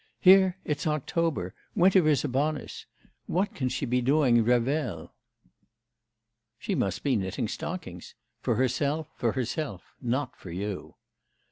Here it's October, winter is upon us. ... What can she be doing in Revel?' 'She must be knitting stockings for herself; for herself not for you.